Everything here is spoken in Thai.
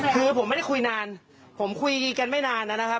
คือผมไม่ได้คุยนานผมคุยกันไม่นานนะครับ